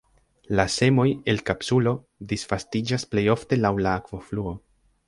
La semoj, el kapsulo, disvastiĝas plejofte laŭ la akvofluo.